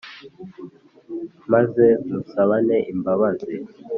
maze musabane imbabazi